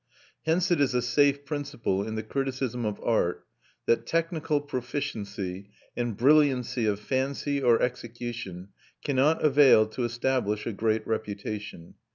Hence it is a safe principle in the criticism of art that technical proficiency, and brilliancy of fancy or execution, cannot avail to establish a great reputation.